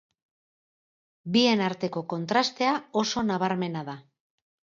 Bien arteko kontrastea oso nabarmena da.